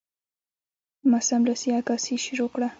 ما سملاسي عکاسي شروع کړه.